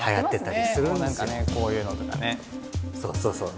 そうそうそう。